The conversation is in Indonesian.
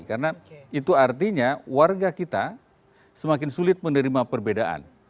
karena itu artinya warga kita semakin sulit menerima perbedaan